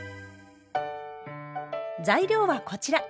材料はこちら。